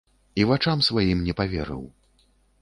І вачам сваім не паверыў.